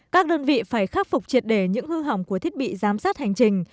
các đơn vị phải khắc phục triệt đề những hư hỏng của thiết bị giám sát hành trình